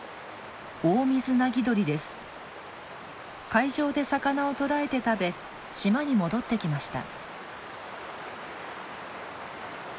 海上で魚を捕らえて食べ島に戻ってきました。